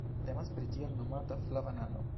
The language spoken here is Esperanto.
Temas pri tiel nomata "flava nano".